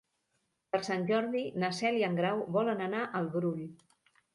Per Sant Jordi na Cel i en Grau volen anar al Brull.